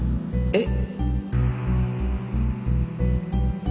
えっ？